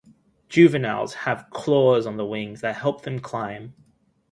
Juveniles have claws on the wings that help them climb.